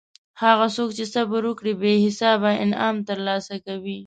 هغه څوک چې صبر وکړي بې حسابه انعام ترلاسه کوي.